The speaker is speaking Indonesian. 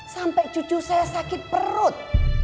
sampai cucu saya sakit perut